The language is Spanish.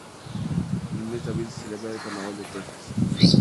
En el mes de abril se celebra el carnaval de Texas.